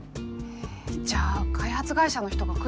えじゃあ開発会社の人が来るってこと？